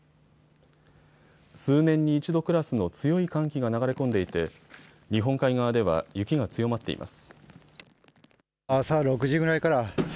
数年に一度クラスの強い寒気が流れ込んでいて、日本海側では雪が強まっています。